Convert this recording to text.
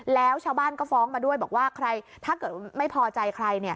แล้วชาวบ้านก็ฟ้องมาด้วยบอกว่าใครถ้าเกิดไม่พอใจใครเนี่ย